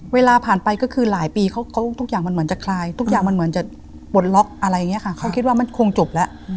เวลาผ่านไปก็คือหลายปีเขาทุกอย่างมันเหมือนจะคลายทุกอย่างมันเหมือนจะปลดล็อกอะไรอย่างนี้ค่ะเขาคิดว่ามันคงจบแล้ว